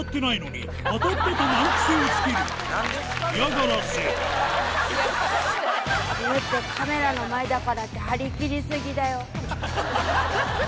夢っぺ、カメラの前だからって、張り切り過ぎだよ。